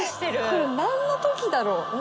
これなんの時だろう？